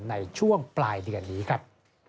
ในช่วงปลายเดือนนี้ครับ